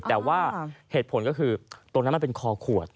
แต่ว่าเหตุผลก็คือตรงนั้นมันเป็นคอขวด